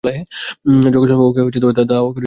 যখন ছিলাম, ওকে ধাওয়া করছিলাম তখনও না।